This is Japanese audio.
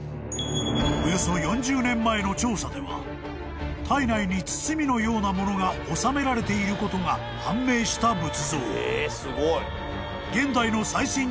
［およそ４０年前の調査では体内に包みのようなものが納められていることが判明した仏像］